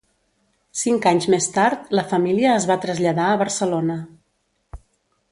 Cinc anys més tard, la família es va traslladar a Barcelona.